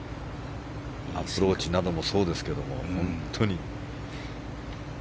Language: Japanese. アプローチなどもそうですけども。